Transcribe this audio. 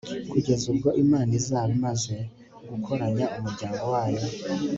kugeza ubwo imana izaba imaze gukorakoranya umuryango wayo